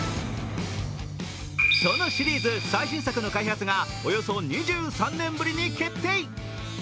そのシリーズ最新作の開発がおよそ２３年ぶりに決定。